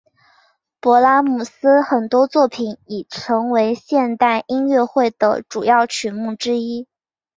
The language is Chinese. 勃拉姆斯的很多作品已成为现代音乐会的主要曲目之一。